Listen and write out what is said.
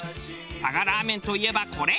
佐賀ラーメンといえばこれ！